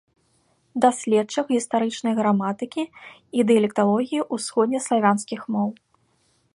Даследчык гістарычнай граматыкі і дыялекталогіі ўсходне-славянскіх моў.